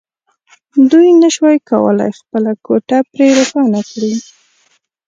دوی نشوای کولای خپله کوټه پرې روښانه کړي